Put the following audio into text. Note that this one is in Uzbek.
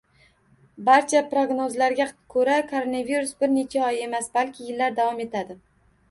Barcha prognozlarga ko'ra, koronavirus bir necha oy emas, balki yillar davom etadi